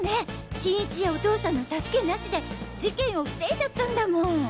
新一やお父さんの助けなしで事件を防いじゃったんだもん！